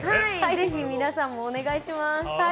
ぜひ、皆さんもお願いします。